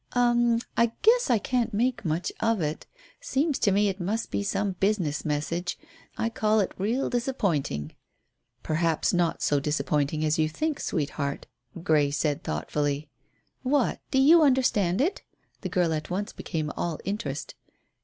"Um. Guess I can't make much of it. Seems to me it must be some business message. I call it real disappointing." "Perhaps not so disappointing as you think, sweetheart," Grey said thoughtfully. "What, do you understand it?" The girl at once became all interest.